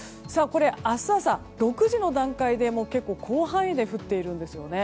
明日朝６時の段階で結構、広範囲で降っているんですね。